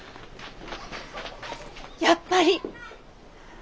やっぱり。